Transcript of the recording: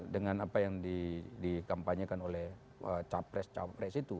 dengan apa yang dikampanyekan oleh capres capres itu